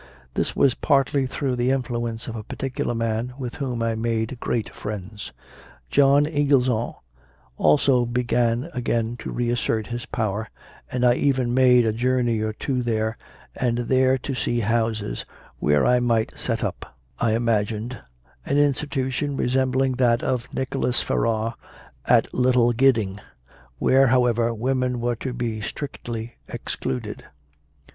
This was partly through the influence of a particular man with whom I made great friends. "John Inglesant" also began again to reassert his power, and I even made a journey or two here and there to see houses where I might set up, I imagined, an institution resembling that of Nicholas Ferrar at Little Gidding, where, however, women were to be strictly excluded.